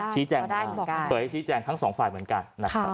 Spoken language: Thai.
ชี้แจงทั้งสองฝ่ายเหมือนกัน